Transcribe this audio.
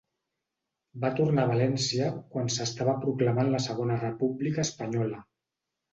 Va tornar a València quan s'estava proclamant la Segona República Espanyola.